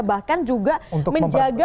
bahkan juga menjaga